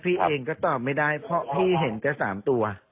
พี่เองก็ตอบไม่ได้เพราะพี่เห็นแค่๓ตัว